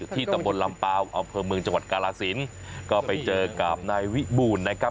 ที่ตะบนลำปาอำเภอเมืองจังหวัดกาลาศิลป์ก็ไปเจอกับนายวิบูรนะครับ